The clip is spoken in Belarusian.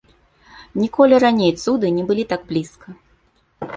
Ніколі раней цуды не былі так блізка.